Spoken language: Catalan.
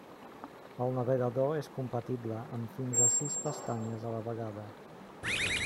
El navegador és compatible amb fins a sis pestanyes a la vegada.